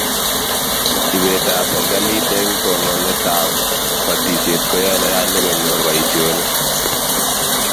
Ibet ab serikalit eng tononet ab batishet koyae neranik konyor boishonik